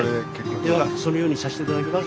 ではそのようにさせて頂きます。